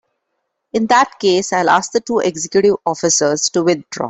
In that case I'll ask the two executive officers to withdraw.